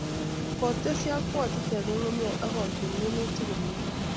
Kotes yokwotet eng ngungunyek akochun minutik komie